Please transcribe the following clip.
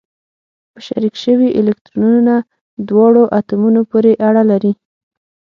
په شریک شوي الکترونونه دواړو اتومونو پورې اړه لري.